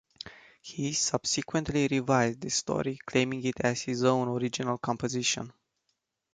He subsequently revised this story, claiming it as his own original composition.